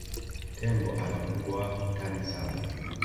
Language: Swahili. Tembo ana ukubwa wa tani saba